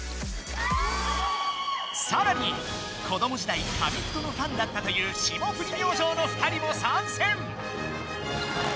さらに、子ども時代紙フトのファンだったという霜降り明星の２人も参戦。